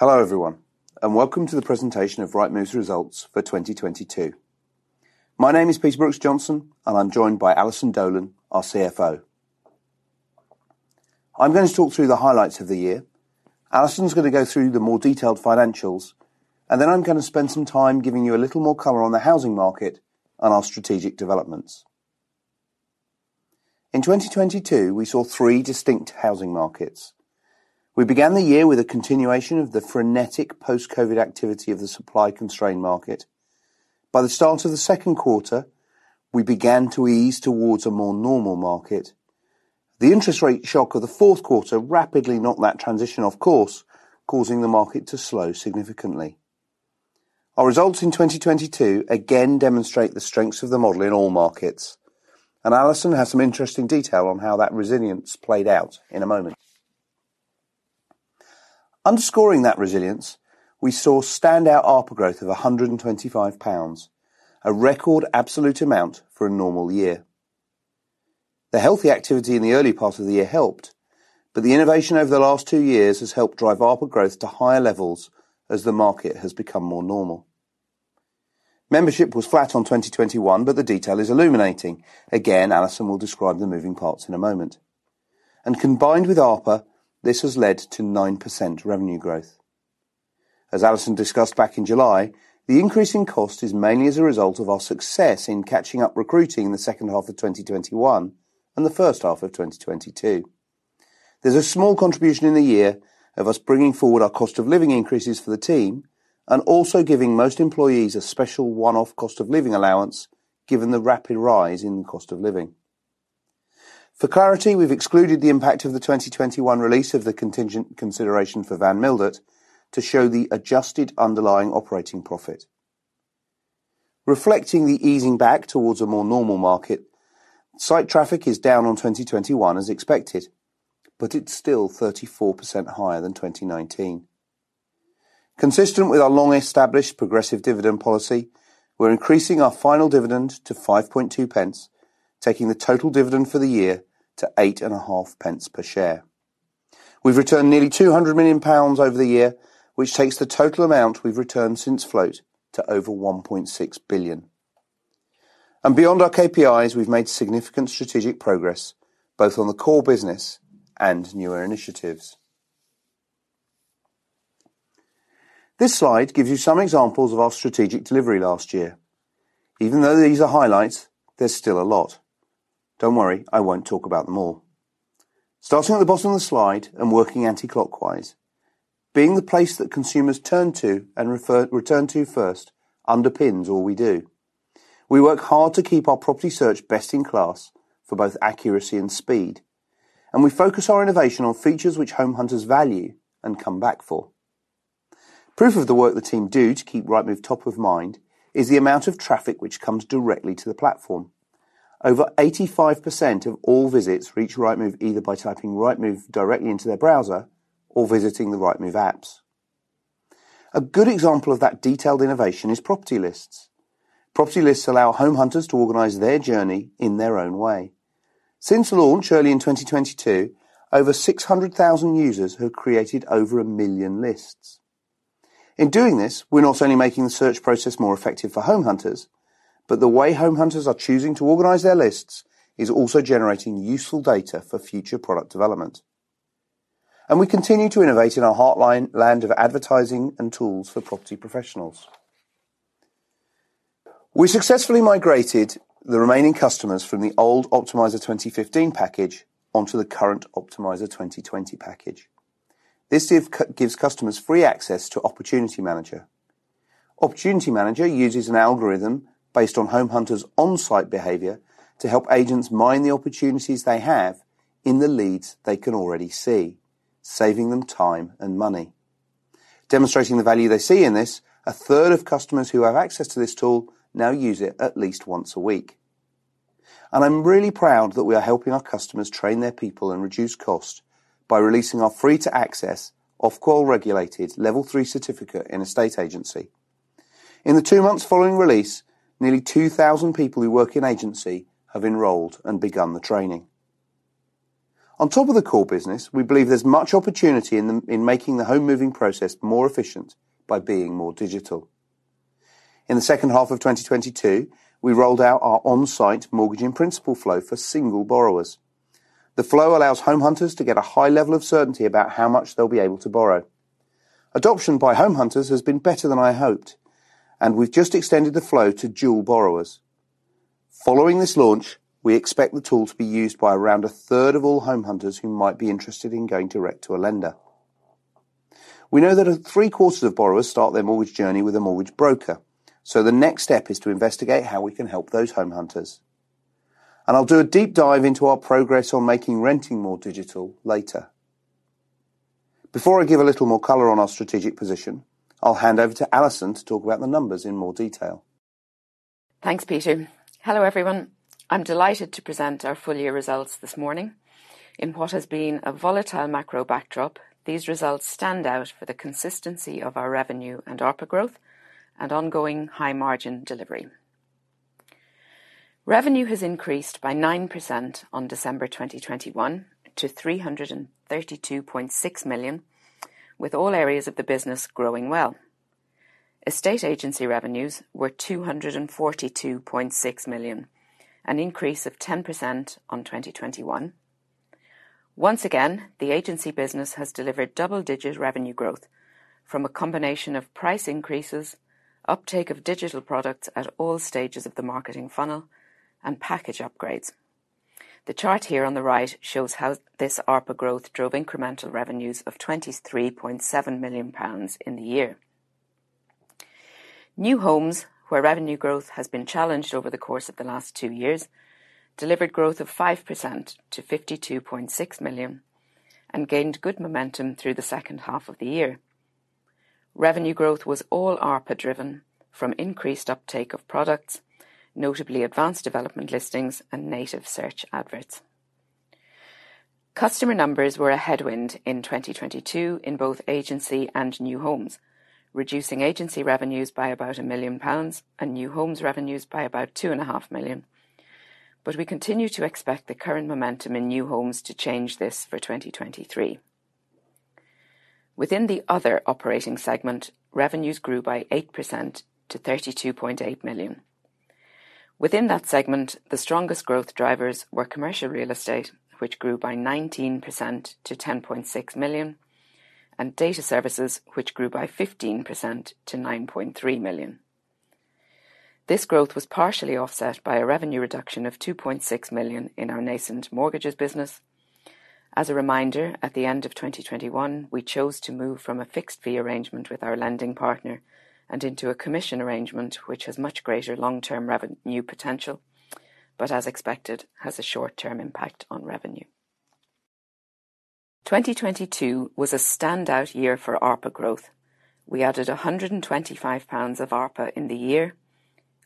Hello, everyone, welcome to the presentation of Rightmove's results for 2022. My name is Peter Brooks-Johnson, I'm joined by Alison Dolan, our CFO. I'm going to talk through the highlights of the year. Alison's gonna go through the more detailed financials, then I'm gonna spend some time giving you a little more color on the housing market and our strategic developments. In 2022, we saw three distinct housing markets. We began the year with a continuation of the frenetic post-COVID activity of the supply-constrained market. By the start of the second quarter, we began to ease towards a more normal market. The interest rate shock of the fourth quarter rapidly knocked that transition off course, causing the market to slow significantly. Our results in 2022 again demonstrate the strengths of the model in all markets. Alison has some interesting detail on how that resilience played out in a moment. Underscoring that resilience, we saw standout ARPA growth of 125 pounds, a record absolute amount for a normal year. The healthy activity in the early part of the year helped. The innovation over the last two years has helped drive ARPA growth to higher levels as the market has become more normal. Membership was flat on 2021. The detail is illuminating. Again, Alison will describe the moving parts in a moment. Combined with ARPA, this has led to 9% revenue growth. As Alison discussed back in July, the increase in cost is mainly as a result of our success in catching up recruiting in the second half of 2021 and the first half of 2022. There's a small contribution in the year of us bringing forward our cost of living increases for the team and also giving most employees a special one-off cost of living allowance given the rapid rise in cost of living. For clarity, we've excluded the impact of the 2021 release of the contingent consideration for Van Mildert to show the adjusted underlying operating profit. Reflecting the easing back towards a more normal market, site traffic is down on 2021 as expected, but it's still 34% higher than 2019. Consistent with our long-established progressive dividend policy, we're increasing our final dividend to 5.2 pence, taking the total dividend for the year to 8.5 pence per share. We've returned nearly 200 million pounds over the year, which takes the total amount we've returned since float to over 1.6 billion. Beyond our KPIs, we've made significant strategic progress, both on the core business and newer initiatives. This slide gives you some examples of our strategic delivery last year. Even though these are highlights, there's still a lot. Don't worry, I won't talk about them all. Starting at the bottom of the slide and working anti-clockwise, being the place that consumers turn to and return to first underpins all we do. We work hard to keep our property search best in class for both accuracy and speed, and we focus our innovation on features which home hunters value and come back for. Proof of the work the team do to keep Rightmove top of mind is the amount of traffic which comes directly to the platform. Over 85% of all visits reach Rightmove either by typing Rightmove directly into their browser or visiting the Rightmove apps. A good example of that detailed innovation is Property Lists. Property Lists allow home hunters to organize their journey in their own way. Since launch early in 2022, over 600,000 users have created over 1 million lists. In doing this, we're not only making the search process more effective for home hunters, but the way home hunters are choosing to organize their lists is also generating useful data for future product development. We continue to innovate in our heartland of advertising and tools for property professionals. We successfully migrated the remaining customers from the old Optimiser 2015 package onto the current Optimiser 2020 package. This gives customers free access to Opportunity Manager. Opportunity Manager uses an algorithm based on home hunters' on-site behavior to help agents mine the opportunities they have in the leads they can already see, saving them time and money. Demonstrating the value they see in this, a third of customers who have access to this tool now use it at least once a week. I'm really proud that we are helping our customers train their people and reduce cost by releasing our free to access, Ofqual regulated level 3 certificate in estate agency. In the two months following release, nearly 2,000 people who work in agency have enrolled and begun the training. On top of the core business, we believe there's much opportunity in making the home moving process more efficient by being more digital. In the second half of 2022, we rolled out our on-site mortgage in principle flow for single borrowers. The flow allows home hunters to get a high level of certainty about how much they'll be able to borrow. Adoption by home hunters has been better than I hoped, and we've just extended the flow to dual borrowers. Following this launch, we expect the tool to be used by around a third of all home hunters who might be interested in going direct to a lender. We know that three-quarters of borrowers start their mortgage journey with a mortgage broker, so the next step is to investigate how we can help those home hunters. I'll do a deep dive into our progress on making renting more digital later. Before I give a little more color on our strategic position, I'll hand over to Alison to talk about the numbers in more detail. Thanks, Peter. Hello, everyone. I'm delighted to present our full year results this morning. In what has been a volatile macro backdrop, these results stand out for the consistency of our revenue and ARPA growth and ongoing high margin delivery. Revenue has increased by 9% on December 2021 to 332.6 million, with all areas of the business growing well. Estate agency revenues were GBP 242.6 million, an increase of 10% on 2021. Once again, the agency business has delivered double-digit revenue growth from a combination of price increases, uptake of digital products at all stages of the marketing funnel, and package upgrades. The chart here on the right shows how this ARPA growth drove incremental revenues of 23.7 million pounds in the year. New homes, where revenue growth has been challenged over the course of the last 2 years, delivered growth of 5% to 52.6 million and gained good momentum through the second half of the year. Revenue growth was all ARPA driven from increased uptake of products, notably Advanced Development Listings and Native Search Adverts. Customer numbers were a headwind in 2022 in both agency and new homes, reducing agency revenues by about 1 million pounds and new homes revenues by about 2.5 million. We continue to expect the current momentum in new homes to change this for 2023. Within the other operating segment, revenues grew by 8% to 32.8 million. Within that segment, the strongest growth drivers were commercial real estate, which grew by 19% to 10.6 million, and data services, which grew by 15% to 9.3 million. This growth was partially offset by a revenue reduction of 2.6 million in our nascent mortgages business. As a reminder, at the end of 2021, we chose to move from a fixed fee arrangement with our lending partner and into a commission arrangement, which has much greater long-term revenue potential, but as expected, has a short-term impact on revenue. 2022 was a standout year for ARPA growth. We added 125 pounds of ARPA in the year,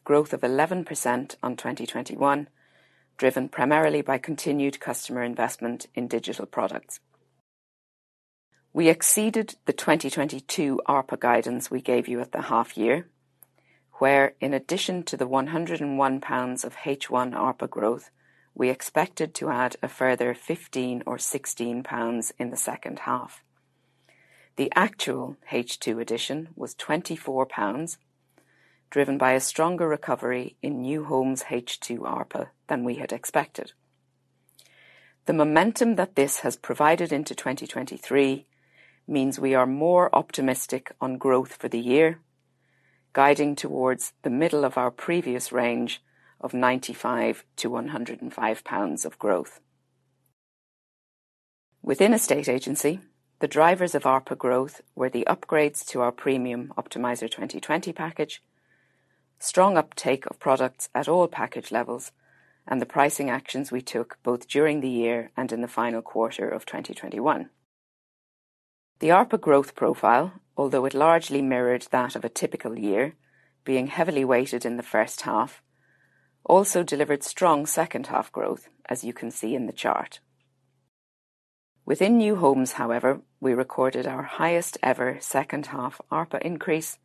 growth of 11% on 2021, driven primarily by continued customer investment in digital products. We exceeded the 2022 ARPA guidance we gave you at the half year, where in addition to the 101 pounds of H1 ARPA growth, we expected to add a further 15 or 16 pounds in the second half. The actual H2 addition was 24 pounds, driven by a stronger recovery in New Homes H2 ARPA than we had expected. The momentum that this has provided into 2023 means we are more optimistic on growth for the year, guiding towards the middle of our previous range of 95-105 pounds of growth. Within estate agency, the drivers of ARPA growth were the upgrades to our premium Optimiser 2020 package, strong uptake of products at all package levels, and the pricing actions we took both during the year and in the final quarter of 2021. The ARPA growth profile, although it largely mirrored that of a typical year being heavily weighted in the first half, also delivered strong second half growth, as you can see in the chart. Within new homes, however, we recorded our highest ever second half ARPA increase,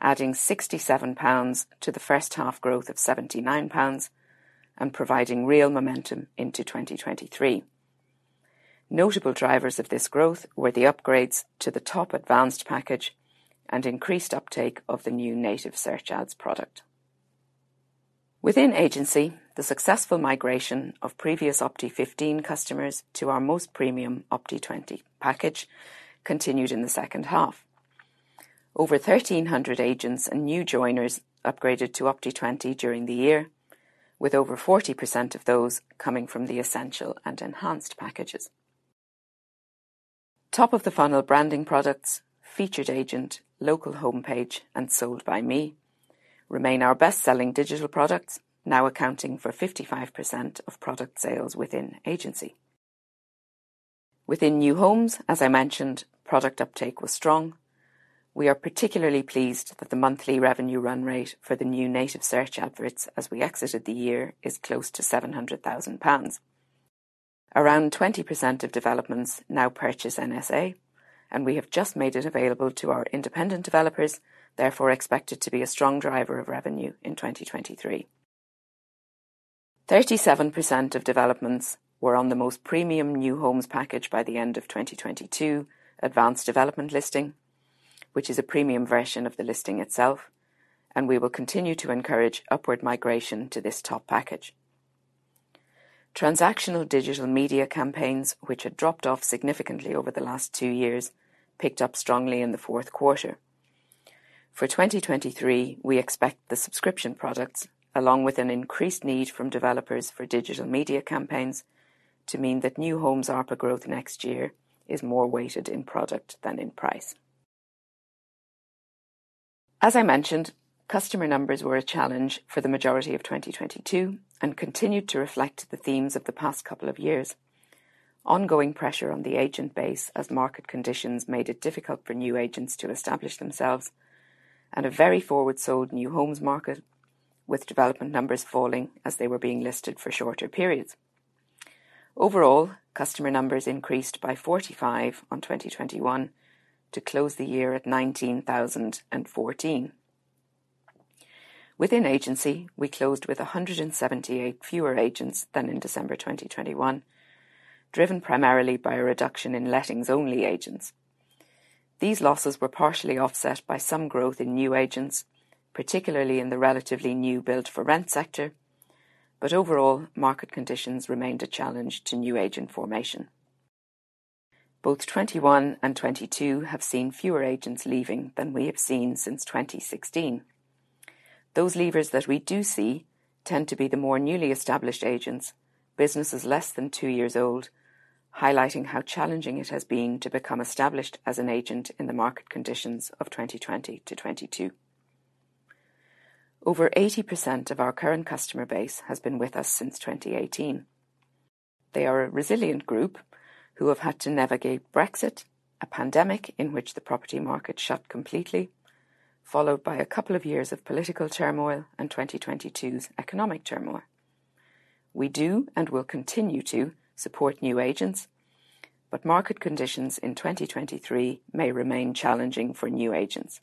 adding 67 pounds to the first half growth of 79 pounds and providing real momentum into 2023. Notable drivers of this growth were the upgrades to the top Advanced package and increased uptake of the new Native Search Adverts product. Within agency, the successful migration of previous Opti 2015 customers to our most premium Opti 2020 package continued in the second half. Over 1,300 agents and new joiners upgraded to Opti 2020 during the year, with over 40% of those coming from the Essential and Enhanced packages. Top of the funnel branding products, Featured Agent, Local Homepages, and Sold by Me remain our best-selling digital products, now accounting for 55% of product sales within agency. Within new homes, as I mentioned, product uptake was strong. We are particularly pleased that the monthly revenue run rate for the new Native Search Adverts as we exited the year is close to 700,000 pounds. Around 20% of developments now purchase NSA, and we have just made it available to our independent developers, therefore expect it to be a strong driver of revenue in 2023. 37% of developments were on the most premium new homes package by the end of 2022, Advanced Development Listing, which is a premium version of the listing itself, and we will continue to encourage upward migration to this top package. Transactional digital media campaigns, which had dropped off significantly over the last two years, picked up strongly in the fourth quarter. For 2023, we expect the subscription products, along with an increased need from developers for digital media campaigns, to mean that new homes ARPA growth next year is more weighted in product than in price. As I mentioned, customer numbers were a challenge for the majority of 2022 and continued to reflect the themes of the past two years. Ongoing pressure on the agent base as market conditions made it difficult for new agents to establish themselves and a very forward-sold new homes market with development numbers falling as they were being listed for shorter periods. Overall, customer numbers increased by 45 on 2021 to close the year at 19,014. Within agency, we closed with 178 fewer agents than in December 2021, driven primarily by a reduction in lettings-only agents. These losses were partially offset by some growth in new agents, particularly in the relatively new Build to Rent sector. Overall, market conditions remained a challenge to new agent formation. Both 2021 and 2022 have seen fewer agents leaving than we have seen since 2016. Those leavers that we do see tend to be the more newly established agents, businesses less than two years old, highlighting how challenging it has been to become established as an agent in the market conditions of 2020 to 2022. Over 80% of our current customer base has been with us since 2018. They are a resilient group who have had to navigate Brexit, a pandemic in which the property market shut completely, followed by a couple of years of political turmoil and 2022's economic turmoil. Market conditions in 2023 may remain challenging for new agents.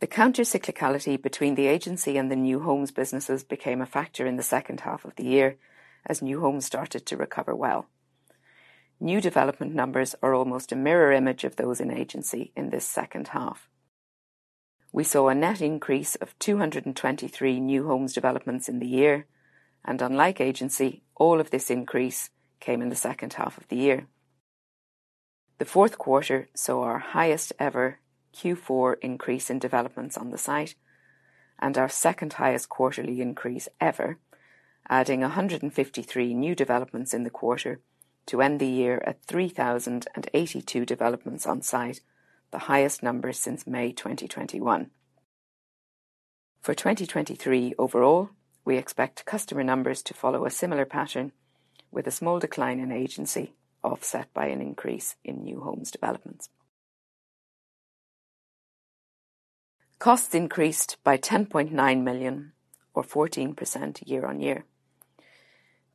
The countercyclicality between the agency and the new homes businesses became a factor in the second half of the year as new homes started to recover well. New development numbers are almost a mirror image of those in agency in this second half. We saw a net increase of 223 new homes developments in the year, and unlike agency, all of this increase came in the second half of the year. The fourth quarter saw our highest ever Q4 increase in developments on the site and our second-highest quarterly increase ever, adding 153 new developments in the quarter to end the year at 3,082 developments on-site, the highest numbers since May 2021. 2023 overall, we expect customer numbers to follow a similar pattern with a small decline in agency offset by an increase in New Homes developments. Costs increased by 10.9 million or 14% year-on-year.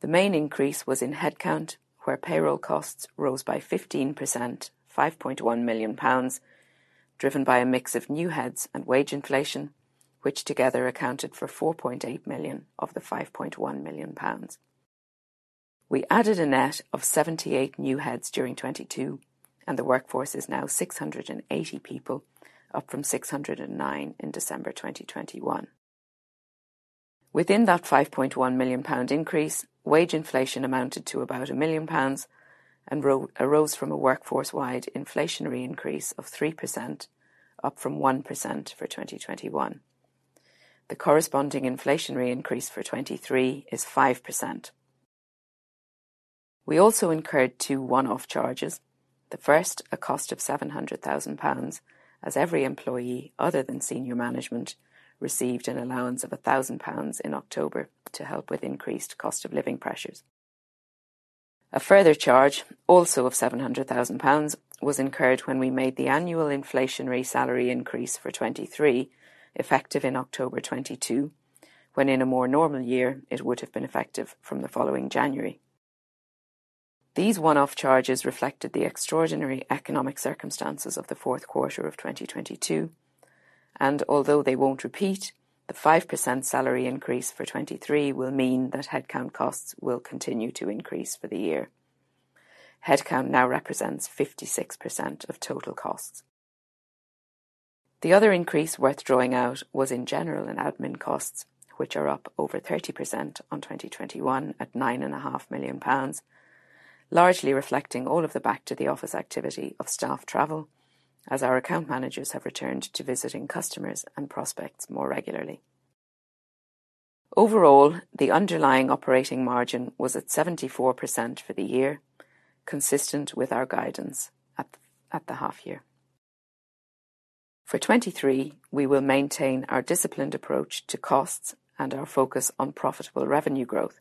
The main increase was in headcount, where payroll costs rose by 15%, 5.1 million pounds, driven by a mix of new heads and wage inflation, which together accounted for 4.8 million of the 5.1 million pounds. We added a net of 78 new heads during 2022, and the workforce is now 680 people, up from 609 in December 2021. Within that 5.1 million pound increase, wage inflation amounted to about 1 million pounds and arose from a workforce-wide inflationary increase of 3%, up from 1% for 2021. The corresponding inflationary increase for 2023 is 5%. We also incurred two one-off charges. The first, a cost of 700,000 pounds, as every employee, other than senior management, received an allowance of 1,000 pounds in October to help with increased cost of living pressures. A further charge, also of 700,000 pounds, was incurred when we made the annual inflationary salary increase for 2023 effective in October 2022, when in a more normal year, it would have been effective from the following January. These one-off charges reflected the extraordinary economic circumstances of the fourth quarter of 2022, and although they won't repeat, the 5% salary increase for 2023 will mean that headcount costs will continue to increase for the year. Headcount now represents 56% of total costs. The other increase worth drawing out was in general and admin costs, which are up over 30% on 2021 at 9.5 million pounds, largely reflecting all of the back to the office activity of staff travel as our account managers have returned to visiting customers and prospects more regularly. Overall, the underlying operating margin was at 74% for the year, consistent with our guidance at the half year. For 2023, we will maintain our disciplined approach to costs and our focus on profitable revenue growth.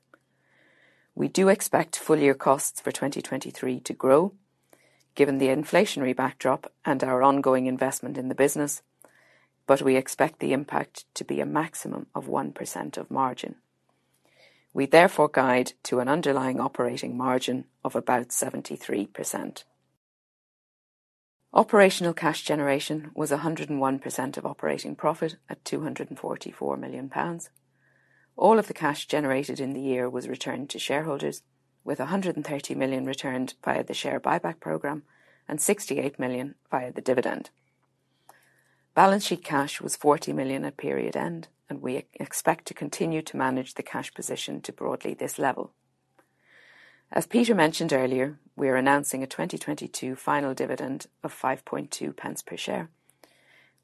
We do expect full year costs for 2023 to grow given the inflationary backdrop and our ongoing investment in the business, we expect the impact to be a maximum of 1% of margin. We therefore guide to an underlying operating margin of about 73%. Operational cash generation was 101% of operating profit at 244 million pounds. All of the cash generated in the year was returned to shareholders with 130 million returned via the share buyback program and 68 million via the dividend. Balance sheet cash was 40 million at period end. We expect to continue to manage the cash position to broadly this level. As Peter mentioned earlier, we are announcing a 2022 final dividend of 5.2 pence per share,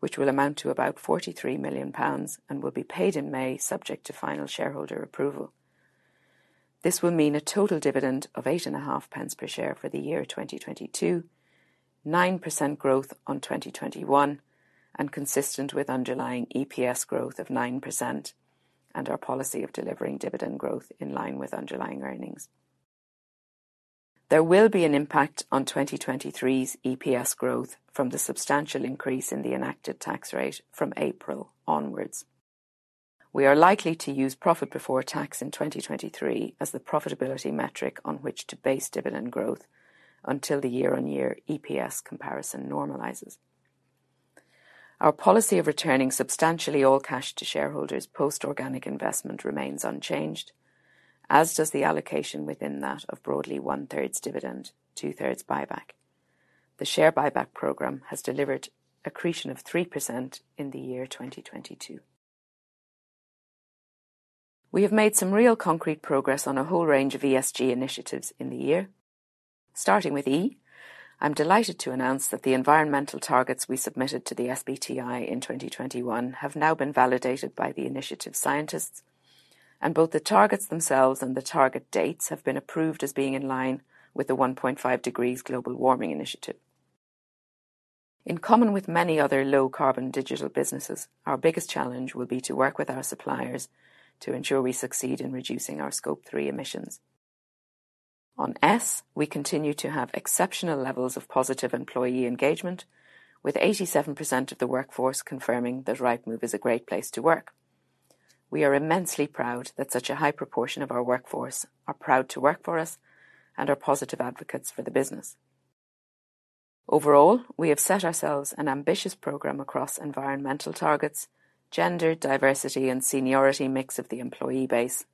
which will amount to about 43 million pounds and will be paid in May subject to final shareholder approval. This will mean a total dividend of 8.5 pence per share for the year 2022, 9% growth on 2021, and consistent with underlying EPS growth of 9% and our policy of delivering dividend growth in line with underlying earnings. There will be an impact on 2023's EPS growth from the substantial increase in the enacted tax rate from April onwards. We are likely to use profit before tax in 2023 as the profitability metric on which to base dividend growth until the year-on-year EPS comparison normalizes. Our policy of returning substantially all cash to shareholders post organic investment remains unchanged, as does the allocation within that of broadly 1/3 dividend, 2/3 buyback. The share buyback program has delivered accretion of 3% in the year 2022. We have made some real concrete progress on a whole range of ESG initiatives in the year. Starting with E, I'm delighted to announce that the environmental targets we submitted to the SBTI in 2021 have now been validated by the initiative scientists, and both the targets themselves and the target dates have been approved as being in line with the 1.5 degrees global warming initiative. In common with many other low-carbon digital businesses, our biggest challenge will be to work with our suppliers to ensure we succeed in reducing our Scope 3 emissions. On S, we continue to have exceptional levels of positive employee engagement with 87% of the workforce confirming that Rightmove is a great place to work. We are immensely proud that such a high proportion of our workforce are proud to work for us and are positive advocates for the business. Overall, we have set ourselves an ambitious program across environmental targets, gender diversity and seniority mix of the employee base,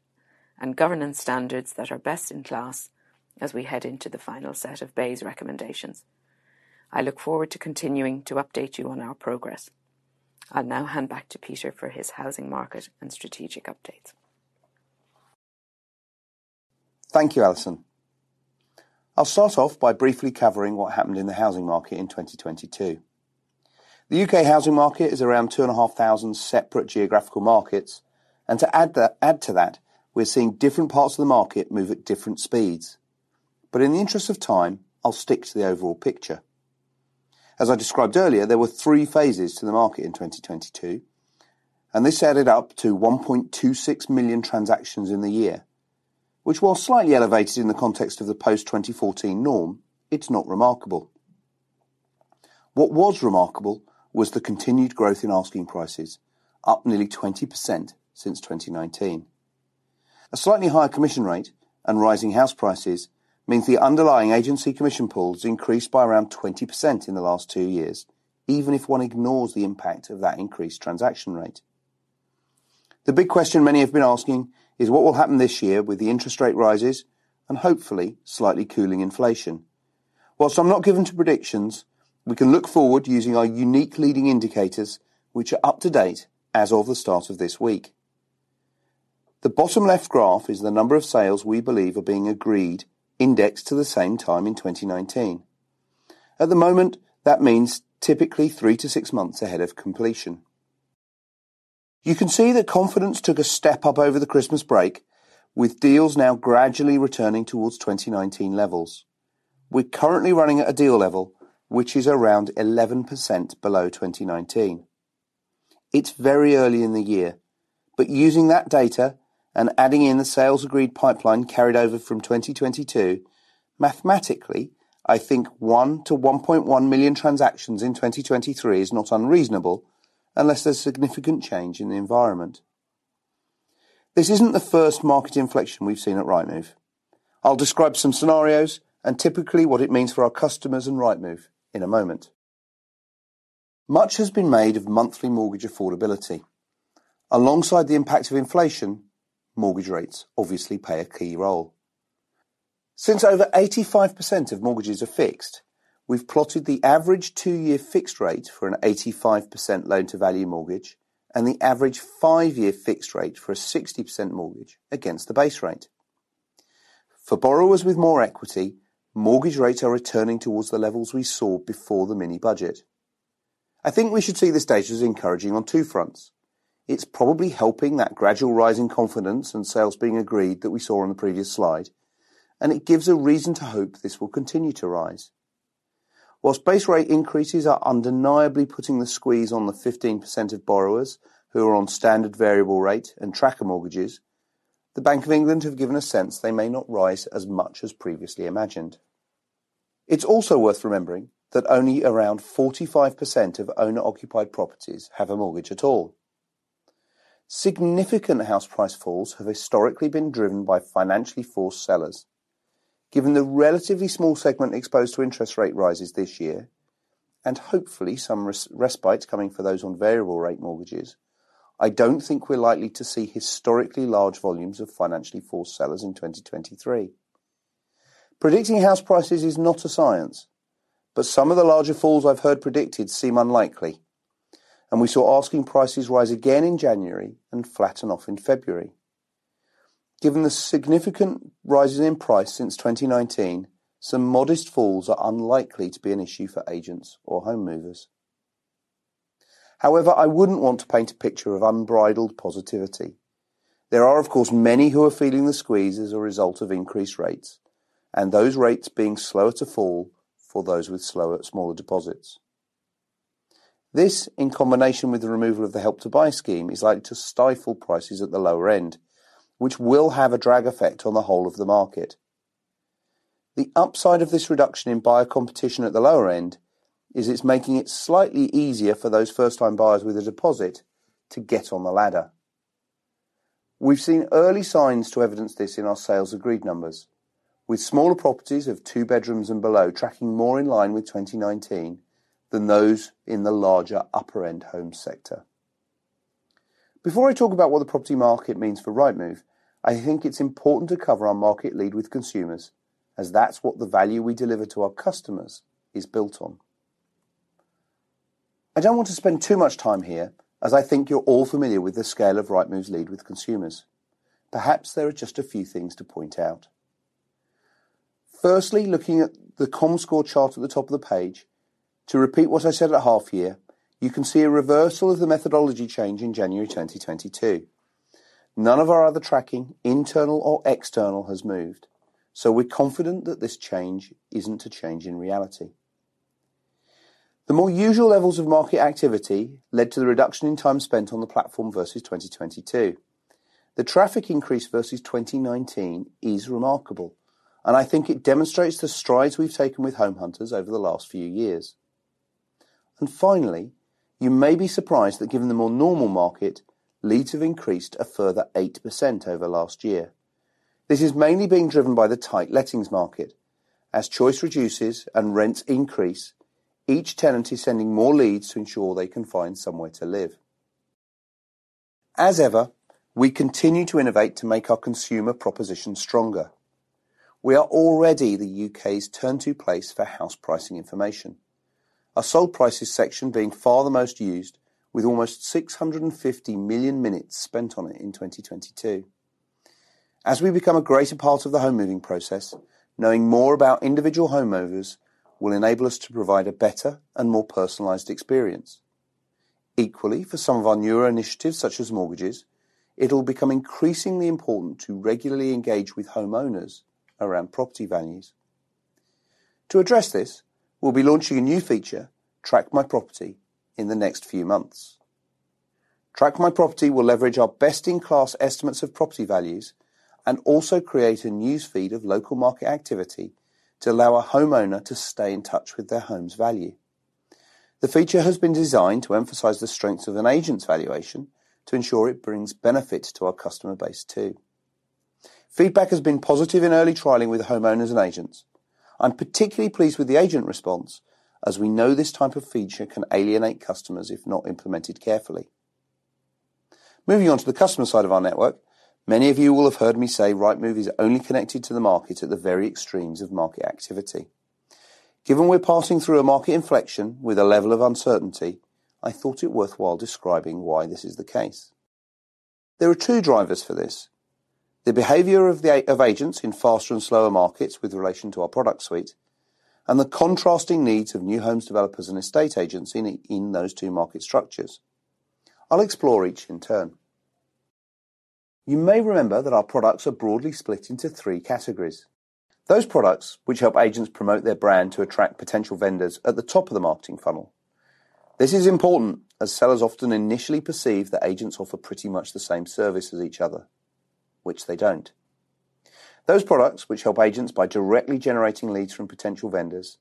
and governance standards that are best in class as we head into the final set of BEIS recommendations. I look forward to continuing to update you on our progress. I'll now hand back to Peter for his housing market and strategic updates. Thank you, Alison. I'll start off by briefly covering what happened in the housing market in 2022. The U.K. housing market is around 2,500 separate geographical markets, to add to that, we're seeing different parts of the market move at different speeds. In the interest of time, I'll stick to the overall picture. As I described earlier, there were three phases to the market in 2022, this added up to 1.26 million transactions in the year, which while slightly elevated in the context of the post-2014 norm, it's not remarkable. What was remarkable was the continued growth in asking prices, up nearly 20% since 2019. A slightly higher commission rate and rising house prices means the underlying agency commission pools increased by around 20% in the last two years, even if one ignores the impact of that increased transaction rate. The big question many have been asking is what will happen this year with the interest rate rises and hopefully slightly cooling inflation. I'm not given to predictions, we can look forward using our unique leading indicators, which are up to date as of the start of this week. The bottom left graph is the number of sales we believe are being agreed indexed to the same time in 2019. At the moment, that means typically 3 to 6 months ahead of completion. You can see that confidence took a step up over the Christmas break, with deals now gradually returning towards 2019 levels. We're currently running at a deal level, which is around 11% below 2019. Using that data and adding in the sales agreed pipeline carried over from 2022, mathematically, I think 1 million-1.1 million transactions in 2023 is not unreasonable unless there's significant change in the environment. This isn't the first market inflection we've seen at Rightmove. I'll describe some scenarios and typically what it means for our customers and Rightmove in a moment. Much has been made of monthly mortgage affordability. Alongside the impact of inflation, mortgage rates obviously play a key role. Since over 85% of mortgages are fixed, we've plotted the average two-year fixed rate for an 85% loan-to-value mortgage and the average five-year fixed rate for a 60% mortgage against the base rate. For borrowers with more equity, mortgage rates are returning towards the levels we saw before the mini-budget. I think we should see this data as encouraging on two fronts. It's probably helping that gradual rise in confidence and sales being agreed that we saw on the previous slide, and it gives a reason to hope this will continue to rise. Whilst base rate increases are undeniably putting the squeeze on the 15% of borrowers who are on standard variable rate and tracker mortgages, the Bank of England have given a sense they may not rise as much as previously imagined. It's also worth remembering that only around 45% of owner-occupied properties have a mortgage at all. Significant house price falls have historically been driven by financially forced sellers. Given the relatively small segment exposed to interest rate rises this year, and hopefully some respites coming for those on variable rate mortgages, I don't think we're likely to see historically large volumes of financially forced sellers in 2023. Predicting house prices is not a science, but some of the larger falls I've heard predicted seem unlikely, and we saw asking prices rise again in January and flatten off in February. Given the significant rises in price since 2019, some modest falls are unlikely to be an issue for agents or home movers. I wouldn't want to paint a picture of unbridled positivity. There are, of course, many who are feeling the squeeze as a result of increased rates, and those rates being slower to fall for those with slower, smaller deposits. This, in combination with the removal of the Help to Buy scheme, is likely to stifle prices at the lower end, which will have a drag effect on the whole of the market. The upside of this reduction in buyer competition at the lower end is it's making it slightly easier for those first-time buyers with a deposit to get on the ladder. We've seen early signs to evidence this in our sales agreed numbers, with smaller properties of two bedrooms and below tracking more in line with 2019 than those in the larger upper-end home sector. Before I talk about what the property market means for Rightmove, I think it's important to cover our market lead with consumers as that's what the value we deliver to our customers is built on. I don't want to spend too much time here, as I think you're all familiar with the scale of Rightmove's lead with consumers. Perhaps there are just a few things to point out. Firstly, looking at the Comscore chart at the top of the page, to repeat what I said at half year, you can see a reversal of the methodology change in January 2022. None of our other tracking, internal or external, has moved, so we're confident that this change isn't a change in reality. The more usual levels of market activity led to the reduction in time spent on the platform versus 2022. The traffic increase versus 2019 is remarkable, I think it demonstrates the strides we've taken with home hunters over the last few years. Finally, you may be surprised that given the more normal market, leads have increased a further 8% over last year. This is mainly being driven by the tight lettings market. As choice reduces and rents increase, each tenant is sending more leads to ensure they can find somewhere to live. As ever, we continue to innovate to make our consumer proposition stronger. We are already the U.K.'s turn-to place for house pricing information. Our sold prices section being far the most used with almost 650 million minutes spent on it in 2022. As we become a greater part of the home moving process, knowing more about individual home movers will enable us to provide a better and more personalized experience. Equally, for some of our newer initiatives, such as mortgages, it'll become increasingly important to regularly engage with homeowners around property values. To address this, we'll be launching a new feature, Track My Property, in the next few months. Track My Property will leverage our best-in-class estimates of property values and also create a news feed of local market activity to allow a homeowner to stay in touch with their home's value. The feature has been designed to emphasize the strengths of an agent's valuation to ensure it brings benefits to our customer base too. Feedback has been positive in early trialing with homeowners and agents. I'm particularly pleased with the agent response, as we know this type of feature can alienate customers if not implemented carefully. Moving on to the customer side of our network, many of you will have heard me say Rightmove is only connected to the market at the very extremes of market activity. Given we're passing through a market inflection with a level of uncertainty, I thought it worthwhile describing why this is the case. There are two drivers for this: the behavior of the agents in faster and slower markets with relation to our product suite, and the contrasting needs of new homes developers and estate agents in those two market structures. I'll explore each in turn. You may remember that our products are broadly split into three categories. Those products which help agents promote their brand to attract potential vendors at the top of the marketing funnel. This is important as sellers often initially perceive that agents offer pretty much the same service as each other, which they don't. Those products which help agents by directly generating leads from potential vendors,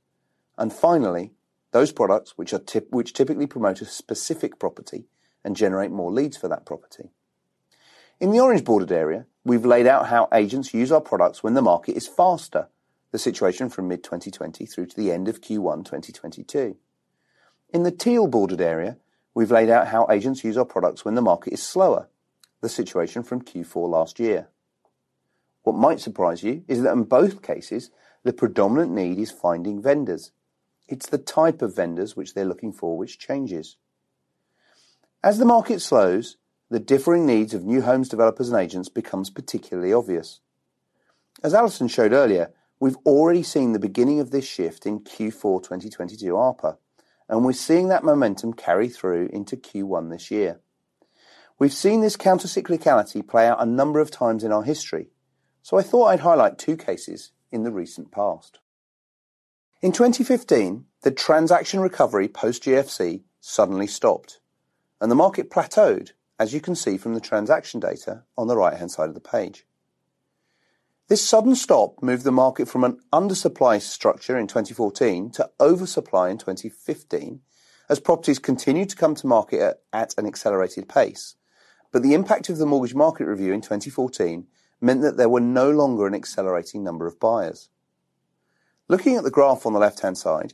and finally, those products which typically promote a specific property and generate more leads for that property. In the orange bordered area, we've laid out how agents use our products when the market is faster, the situation from mid-2020 through to the end of Q1, 2022. In the teal bordered area, we've laid out how agents use our products when the market is slower, the situation from Q4 last year. What might surprise you is that in both cases, the predominant need is finding vendors. It's the type of vendors which they're looking for which changes. As the market slows, the differing needs of new homes developers and agents becomes particularly obvious. As Alison showed earlier, we've already seen the beginning of this shift in Q4 2022 ARPA, and we're seeing that momentum carry through into Q1 this year. We've seen this countercyclicality play out a number of times in our history, so I thought I'd highlight two cases in the recent past. In 2015, the transaction recovery post GFC suddenly stopped, and the market plateaued, as you can see from the transaction data on the right-hand side of the page. This sudden stop moved the market from an undersupply structure in 2014 to oversupply in 2015 as properties continued to come to market at an accelerated pace. The impact of the Mortgage Market Review in 2014 meant that there were no longer an accelerating number of buyers. Looking at the graph on the left-hand side,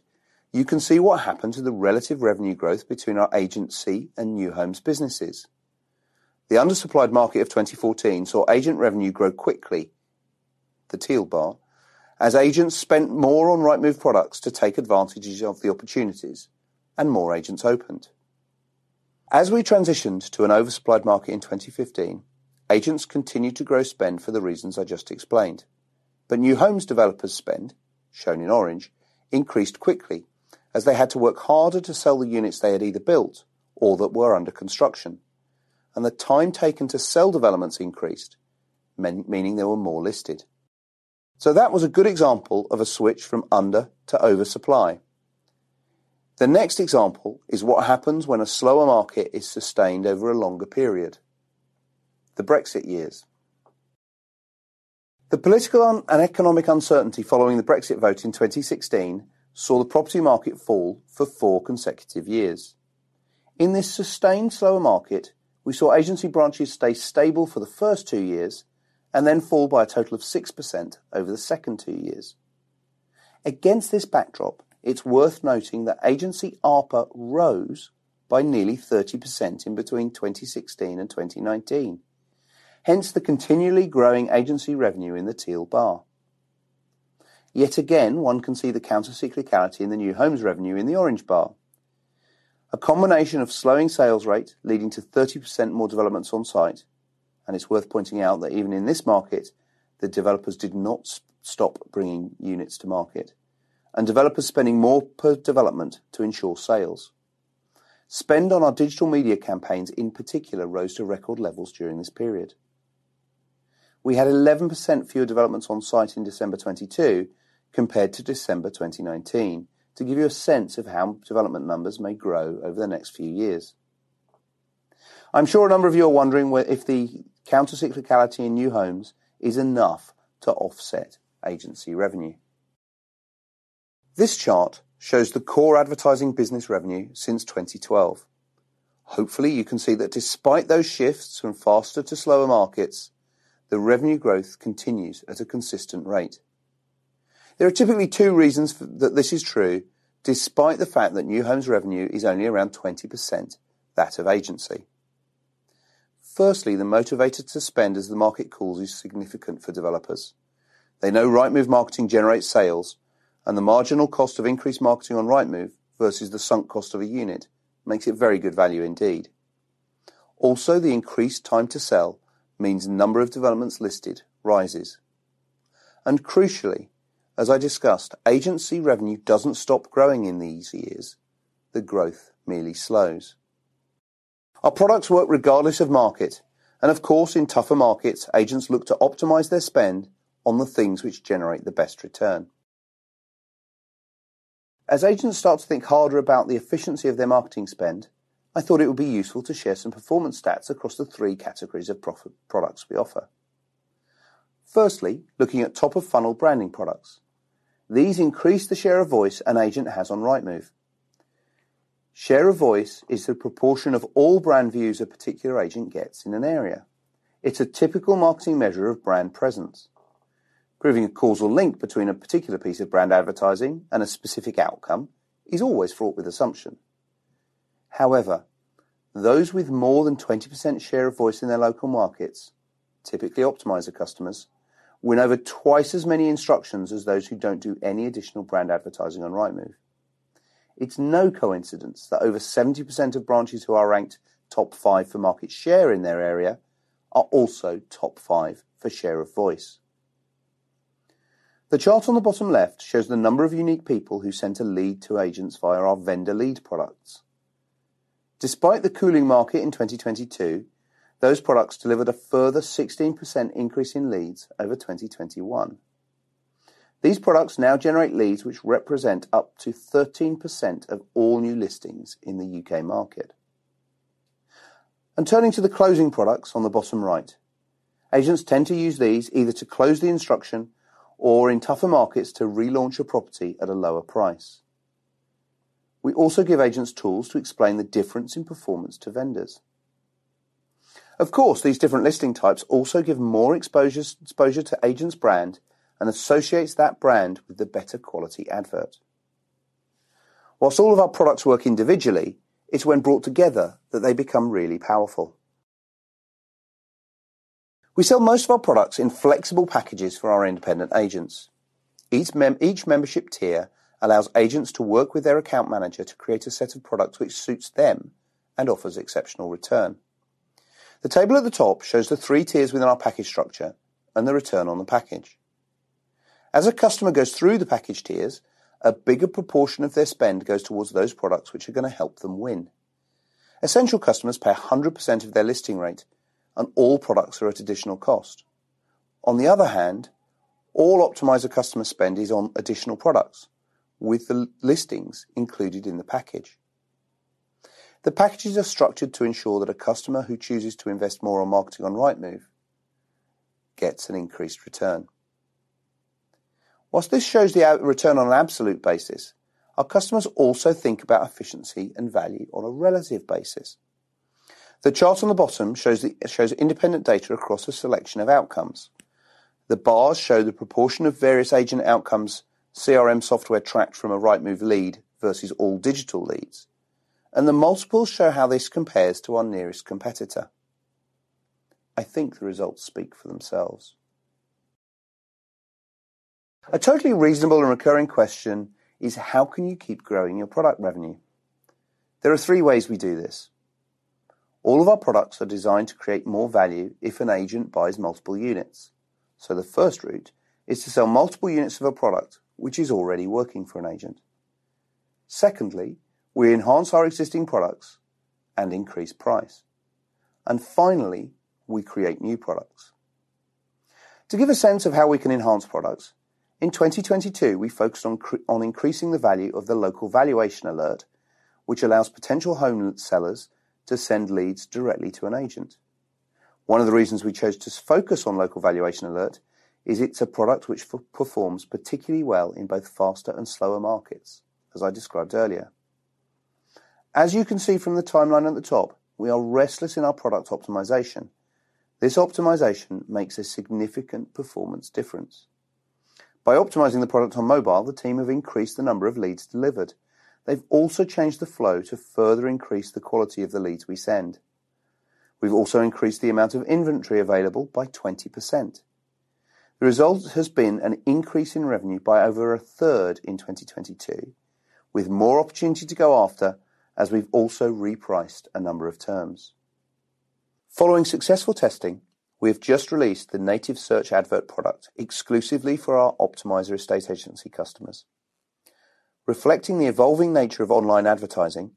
you can see what happened to the relative revenue growth between our agency and new homes businesses. The undersupplied market of 2014 saw agent revenue grow quickly, the teal bar, as agents spent more on Rightmove products to take advantages of the opportunities and more agents opened. As we transitioned to an oversupplied market in 2015, agents continued to grow spend for the reasons I just explained. The new homes developers spend, shown in orange, increased quickly as they had to work harder to sell the units they had either built or that were under construction, and the time taken to sell developments increased, meaning there were more listed. That was a good example of a switch from under to oversupply. The next example is what happens when a slower market is sustained over a longer period, the Brexit years. The political and economic uncertainty following the Brexit vote in 2016 saw the property market fall for four consecutive years. In this sustained slower market, we saw agency branches stay stable for the first two years and then fall by a total of 6% over the second two years. Against this backdrop, it's worth noting that agency ARPA rose by nearly 30% in between 2016 and 2019. Hence, the continually growing agency revenue in the teal bar. Yet again, one can see the counter cyclicality in the new homes revenue in the orange bar. A combination of slowing sales rate leading to 30% more developments on site, and it's worth pointing out that even in this market, the developers did not stop bringing units to market, and developers spending more per development to ensure sales. Spend on our digital media campaigns in particular rose to record levels during this period. We had 11% fewer developments on site in December 2022 compared to December 2019, to give you a sense of how development numbers may grow over the next few years. I'm sure a number of you are wondering if the counter cyclicality in new homes is enough to offset agency revenue. This chart shows the core advertising business revenue since 2012. Hopefully, you can see that despite those shifts from faster to slower markets, the revenue growth continues at a consistent rate. There are typically two reasons that this is true, despite the fact that new homes revenue is only around 20% that of agency. Firstly, the motivator to spend as the market calls is significant for developers. They know Rightmove marketing generates sales, and the marginal cost of increased marketing on Rightmove versus the sunk cost of a unit makes it very good value indeed. Also, the increased time to sell means the number of developments listed rises. Crucially, as I discussed, agency revenue doesn't stop growing in these years, the growth merely slows. Our products work regardless of market, and of course, in tougher markets, agents look to optimize their spend on the things which generate the best return. As agents start to think harder about the efficiency of their marketing spend, I thought it would be useful to share some performance stats across the three categories of products we offer. Looking at top of funnel branding products, these increase the share of voice an agent has on Rightmove. Share of voice is the proportion of all brand views a particular agent gets in an area. It's a typical marketing measure of brand presence. Proving a causal link between a particular piece of brand advertising and a specific outcome is always fraught with assumption. Those with more than 20% share of voice in their local markets, typically Optimiser customers, win over twice as many instructions as those who don't do any additional brand advertising on Rightmove. It's no coincidence that over 70% of branches who are ranked top 5 for market share in their area are also top 5 for share of voice. The chart on the bottom left shows the number of unique people who sent a lead to agents via our vendor lead products. Despite the cooling market in 2022, those products delivered a further 16% increase in leads over 2021. These products now generate leads which represent up to 13% of all new listings in the U.K. market. Turning to the closing products on the bottom right, agents tend to use these either to close the instruction or in tougher markets to relaunch a property at a lower price. We also give agents tools to explain the difference in performance to vendors. Of course, these different listing types also give more exposure to agents brand and associates that brand with the better quality advert. Whilst all of our products work individually, it's when brought together that they become really powerful. We sell most of our products in flexible packages for our independent agents. Each membership tier allows agents to work with their account manager to create a set of products which suits them and offers exceptional return. The table at the top shows the three tiers within our package structure and the return on the package. As a customer goes through the package tiers, a bigger proportion of their spend goes towards those products which are going to help them win. Essential customers pay 100% of their listing rate, all products are at additional cost. All Optimiser customer spend is on additional products, with the listings included in the package. The packages are structured to ensure that a customer who chooses to invest more on marketing on Rightmove gets an increased return. While this shows the return on an absolute basis, our customers also think about efficiency and value on a relative basis. The chart on the bottom shows independent data across a selection of outcomes. The bars show the proportion of various agent outcomes CRM software tracked from a Rightmove lead versus all digital leads, and the multiples show how this compares to our nearest competitor. I think the results speak for themselves. A totally reasonable and recurring question is: How can you keep growing your product revenue? There are three ways we do this. All of our products are designed to create more value if an agent buys multiple units. The first route is to sell multiple units of a product which is already working for an agent. Secondly, we enhance our existing products and increase price. Finally, we create new products. To give a sense of how we can enhance products, in 2022, we focused on increasing the value of the Local Valuation Alert, which allows potential home sellers to send leads directly to an agent. One of the reasons we chose to focus on Local Valuation Alert is it's a product which performs particularly well in both faster and slower markets, as I described earlier. As you can see from the timeline at the top, we are restless in our product optimization. This optimization makes a significant performance difference. By optimizing the product on mobile, the team have increased the number of leads delivered. They've also changed the flow to further increase the quality of the leads we send. We've also increased the amount of inventory available by 20%. The result has been an increase in revenue by over 1/3 in 2022, with more opportunity to go after as we've also repriced a number of terms. Following successful testing, we have just released the Native Search Adverts product exclusively for our Optimiser estate agency customers. Reflecting the evolving nature of online advertising,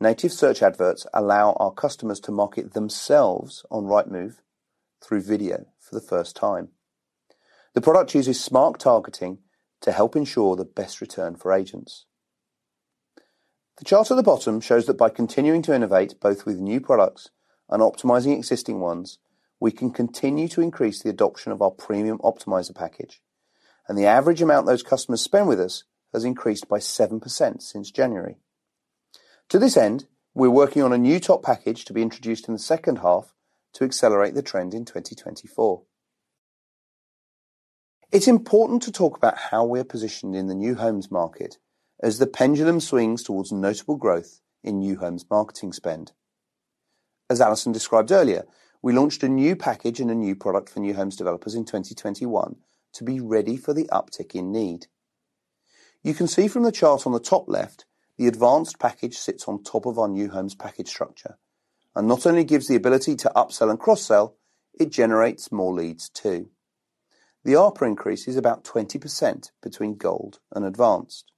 Native Search Adverts allow our customers to market themselves on Rightmove through video for the first time. The product uses smart targeting to help ensure the best return for agents. The chart at the bottom shows that by continuing to innovate, both with new products and optimizing existing ones, we can continue to increase the adoption of our premium Optimiser package, and the average amount those customers spend with us has increased by 7% since January. To this end, we're working on a new top package to be introduced in the second half to accelerate the trend in 2024. It's important to talk about how we're positioned in the new homes market as the pendulum swings towards notable growth in new homes marketing spend. As Alison described earlier, we launched a new package and a new product for new homes developers in 2021 to be ready for the uptick in need. You can see from the chart on the top left, the Advanced package sits on top of our New Homes package structure and not only gives the ability to upsell and cross-sell, it generates more leads too. The ARPA increase is about 20% between Gold and Advanced.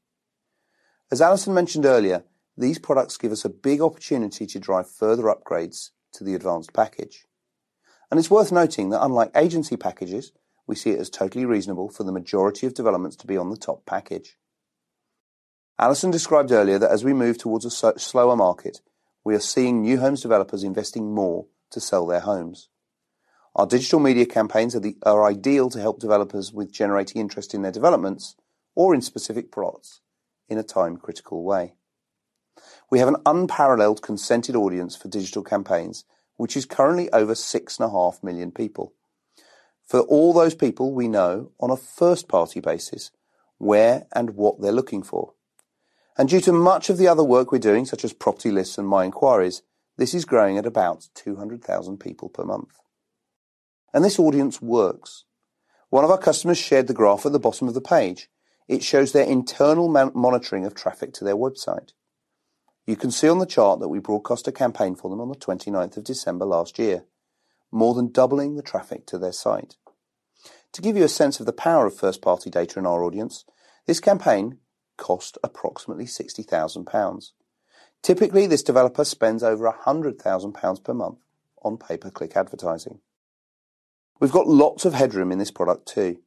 As Alison mentioned earlier, these products give us a big opportunity to drive further upgrades to the Advanced package. It's worth noting that unlike agency packages, we see it as totally reasonable for the majority of developments to be on the top package. Alison described earlier that as we move towards a slower market, we are seeing New Homes developers investing more to sell their homes. Our digital media campaigns are ideal to help developers with generating interest in their developments or in specific products in a time-critical way. We have an unparalleled consented audience for digital campaigns, which is currently over 6.5 million people. For all those people we know on a first-party basis, where and what they're looking for. Due to much of the other work we're doing, such as Property Lists and My Enquiries, this is growing at about 200,000 people per month. This audience works. One of our customers shared the graph at the bottom of the page. It shows their internal monitoring of traffic to their website. You can see on the chart that we broadcast a campaign for them on the 29th of December last year, more than doubling the traffic to their site. To give you a sense of the power of first-party data in our audience, this campaign cost approximately 60,000 pounds. Typically, this developer spends over 100,000 pounds per month on pay-per-click advertising. We've got lots of headroom in this product too.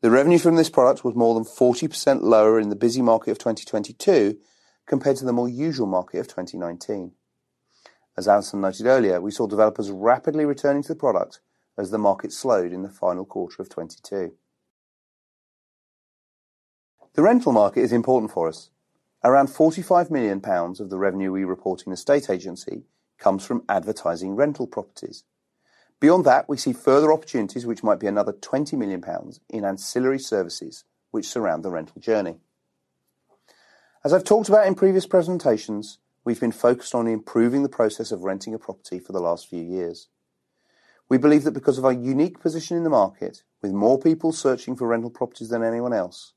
The revenue from this product was more than 40% lower in the busy market of 2022 compared to the more usual market of 2019. As Alison noted earlier, we saw developers rapidly returning to the product as the market slowed in the final quarter of 2022. The rental market is important for us. Around 45 million pounds of the revenue we report in the estate agency comes from advertising rental properties. Beyond that, we see further opportunities which might be another 20 million pounds in ancillary services which surround the rental journey. As I've talked about in previous presentations, we've been focused on improving the process of renting a property for the last few years. We believe that because of our unique position in the market, with more people searching for rental properties than anyone else,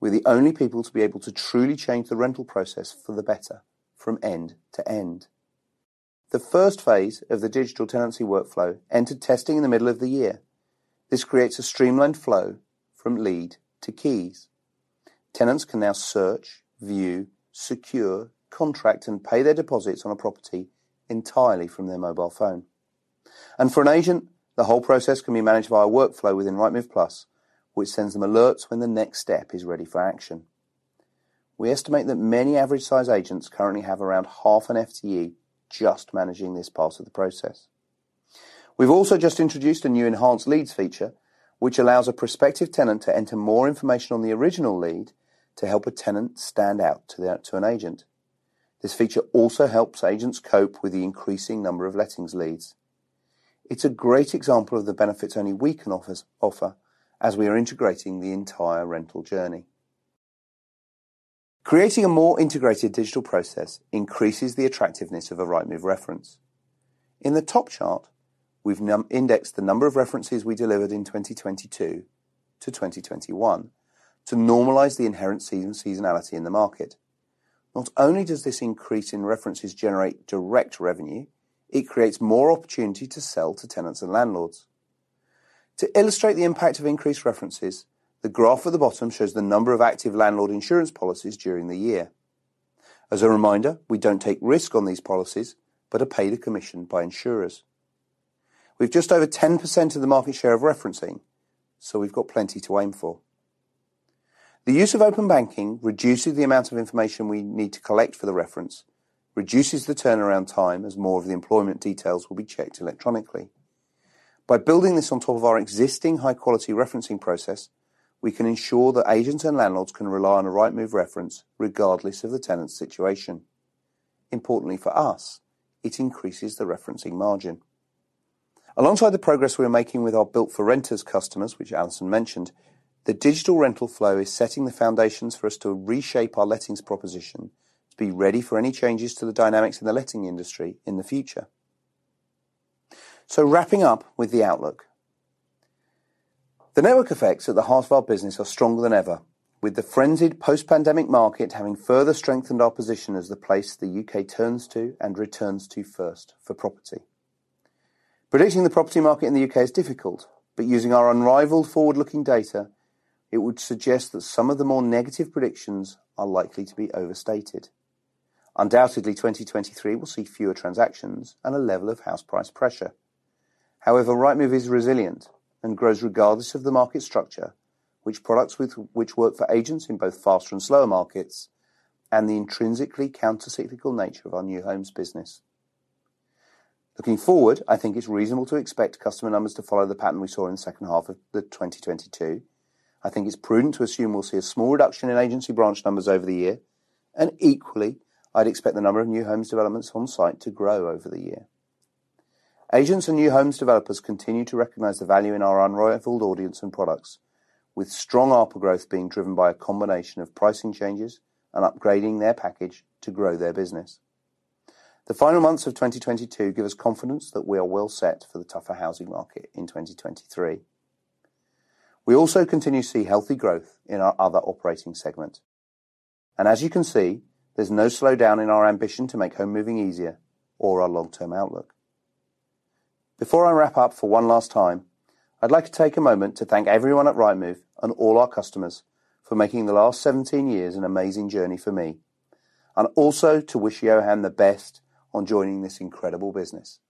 we're the only people to be able to truly change the rental process for the better from end to end. The first phase of the digital tenancy Workflow entered testing in the middle of the year. This creates a streamlined flow from lead to keys. Tenants can now search, view, secure, contract, and pay their deposits on a property entirely from their mobile phone. For an agent, the whole process can be managed via Workflow within Rightmove Plus, which sends them alerts when the next step is ready for action. We estimate that many average size agents currently have around half an FTE just managing this part of the process. We've also just introduced a new Enhanced Leads feature, which allows a prospective tenant to enter more information on the original lead to help a tenant stand out to an agent. This feature also helps agents cope with the increasing number of lettings leads. It's a great example of the benefits only we can offer as we are integrating the entire rental journey. Creating a more integrated digital process increases the attractiveness of a Rightmove reference. In the top chart, we've indexed the number of references we delivered in 2022 to 2021 to normalize the inherent seasonality in the market. Not only does this increase in references generate direct revenue, it creates more opportunity to sell to tenants and landlords. The graph at the bottom shows the number of active landlord insurance policies during the year. As a reminder, we don't take risk on these policies, but are paid a commission by insurers. We've just over 10% of the market share of referencing, so we've got plenty to aim for. The use of Open Banking reduces the amount of information we need to collect for the reference, reduces the turnaround time as more of the employment details will be checked electronically. By building this on top of our existing high-quality referencing process, we can ensure that agents and landlords can rely on a Rightmove reference regardless of the tenant's situation. Importantly for us, it increases the referencing margin. Alongside the progress we are making with our Built for Renters customers, which Alison mentioned, the digital rental flow is setting the foundations for us to reshape our lettings proposition to be ready for any changes to the dynamics in the letting industry in the future. Wrapping up with the outlook. The network effects at the heart of our business are stronger than ever, with the frenzied post-pandemic market having further strengthened our position as the place the U.K. turns to and returns to first for property. Predicting the property market in the U.K. is difficult, Using our unrivaled forward-looking data, it would suggest that some of the more negative predictions are likely to be overstated. Undoubtedly, 2023 will see fewer transactions an.d a level of house price pressure. Rightmove is resilient and grows regardless of the market structure, which products work for agents in both faster and slower markets, and the intrinsically counter-cyclical nature of our new homes business. Looking forward, I think it's reasonable to expect customer numbers to follow the pattern we saw in the second half of 2022. I think it's prudent to assume we'll see a small reduction in agency branch numbers over the year, and equally, I'd expect the number of new homes developments on site to grow over the year. Agents and new homes developers continue to recognize the value in our unrivaled audience and products, with strong ARPA growth being driven by a combination of pricing changes and upgrading their package to grow their business. The final months of 2022 give us confidence that we are well set for the tougher housing market in 2023. We also continue to see healthy growth in our other operating segments. As you can see, there's no slowdown in our ambition to make home moving easier or our long-term outlook. Before I wrap up for one last time, I'd like to take a moment to thank everyone at Rightmove and all our customers for making the last 17 years an amazing journey for me, and also to wish Johan the best on joining this incredible business.